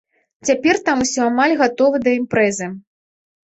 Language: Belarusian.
Цяпер там усё амаль гатова да імпрэзы.